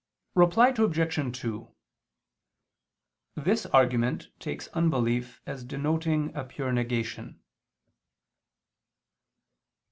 Reply Obj. 2: This argument takes unbelief as denoting a pure negation.